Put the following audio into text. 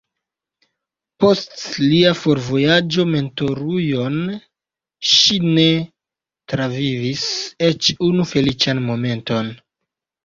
Post lia forvojaĝo Mentorujon ŝi ne travivis eĉ unu feliĉan momenton.